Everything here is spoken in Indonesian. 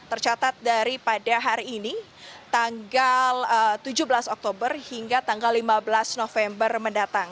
tercatat daripada hari ini tanggal tujuh belas oktober hingga tanggal lima belas november mendatang